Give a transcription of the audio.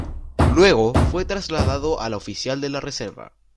Luego fue trasladado a la oficial de la reserva.